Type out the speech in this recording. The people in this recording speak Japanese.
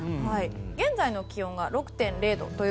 現在の気温が６．０度。